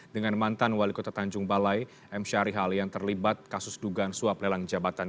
dengan mantan wali kota tanjung balai m syarihal yang terlibat kasus dugaan suap lelang jabatan